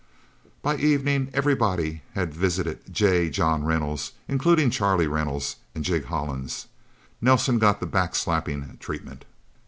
By evening, everybody had visited J. John Reynolds, including Charlie Reynolds and Jig Hollins. Nelsen got the backslapping treatment.